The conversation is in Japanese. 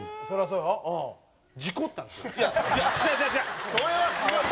それは違う。